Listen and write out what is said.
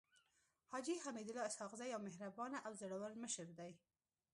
حاجي حميدالله اسحق زی يو مهربانه او زړور مشر دی.